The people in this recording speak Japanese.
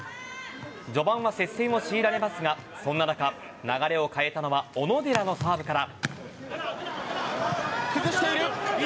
序盤は接戦を強いられますがそんな中流れを変えたのは小野寺のサーブから。